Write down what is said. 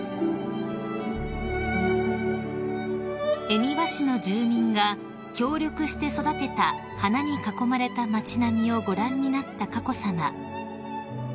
［恵庭市の住民が協力して育てた花に囲まれた街並みをご覧になった佳子さま］